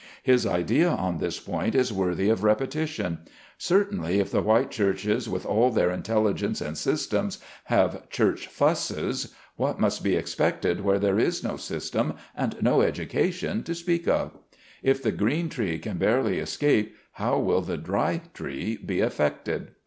His idea on this point is worthy of repetition ; certainly if the white churches with all their intel ligence and systems have " church fusses ", what must be expected where there is no system and no education, to speak of ? If the green tree can barely escape, how will the dry tree be effected